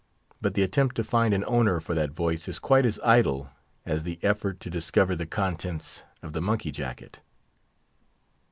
But the attempt to find an owner for that voice is quite as idle as the effort to discover the contents of the monkey jacket.